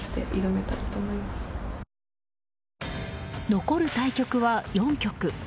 残る対局は４局。